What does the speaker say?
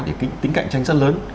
thì tính cạnh tranh rất lớn